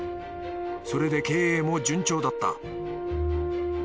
それで経営も順調だった。